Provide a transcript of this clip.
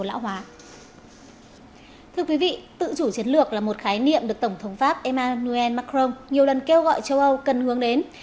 thưa quý vị tự chủ chiến lược là một khái niệm được tổng thống pháp emmanuel macron nhiều lần kêu gọi châu âu cần hướng đến